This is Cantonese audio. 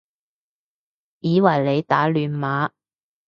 以為你打亂碼